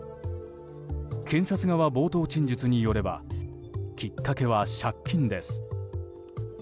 検察側冒頭陳述によればきっかけは、借金です。